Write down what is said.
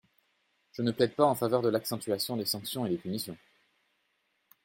Je ne plaide pas en faveur de l’accentuation des sanctions et des punitions.